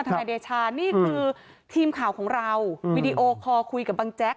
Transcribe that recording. นายเดชานี่คือทีมข่าวของเราวีดีโอคอลคุยกับบังแจ๊ก